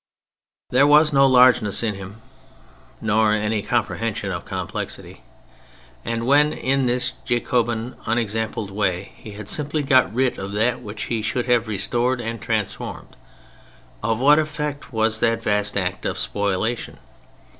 There was no largeness in him nor any comprehension of complexity, and when in this Jacobin, unexampled way, he had simply got rid of that which he should have restored and transformed, of what effect was that vast act of spoliation?